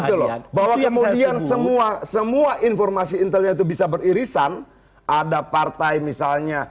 kemudian semua semua informasi internet itu bisa beririsan ada partai misalnya